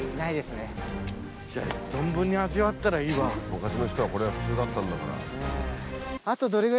昔の人はこれが普通だったんだから。